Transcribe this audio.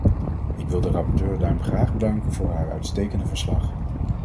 Ik wil de rapporteur daarom graag bedanken voor haar uitstekende verslag.